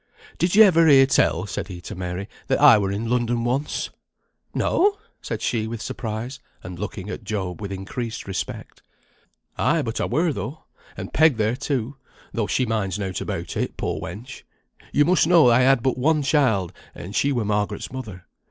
"Did you ever hear tell," said he to Mary, "that I were in London once?" "No!" said she, with surprise, and looking at Job with increased respect. "Ay, but I were though, and Peg there too, though she minds nought about it, poor wench! You must know I had but one child, and she were Margaret's mother.